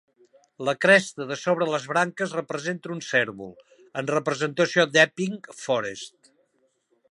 La cresta de sobre les branques representa un cérvol, en representació d'Epping Forest.